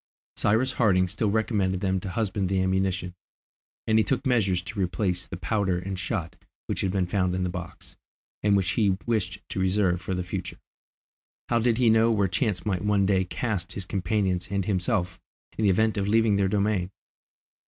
Cyrus Harding still recommended them to husband the ammunition, and he took measures to replace the powder and shot which had been found in the box, and which he wished to reserve for the future. How did he know where chance might one day cast his companions and himself in the event of their leaving their domain?